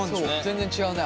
全然違うね。